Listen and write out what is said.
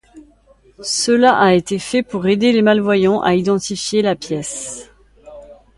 Cela a été fait pour aider les malvoyants à identifier la pièce.